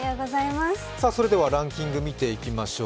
ランキング、見ていきましょう。